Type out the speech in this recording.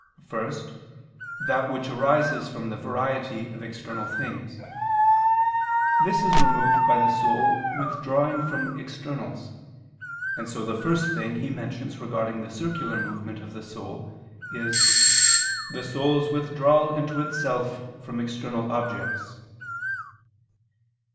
First, that which arises from the variety of external things: this is removed by the soul withdrawing from externals, and so the first thing he mentions regarding the circular movement of the soul is "the soul's withdrawal into itself from external objects."